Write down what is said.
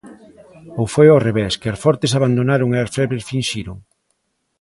Ou foi ao revés, que as fortes abandonaron e as febles finxiron?